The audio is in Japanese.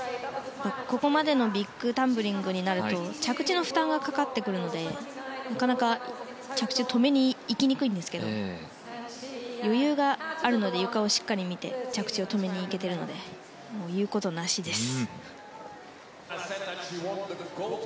ここまでのビッグタンブリングになると着地の負担がかかってくるのでなかなか止めにいきにくいんですが余裕があるのでゆかをしっかり見て着地を止めに行けているので言うことなしです。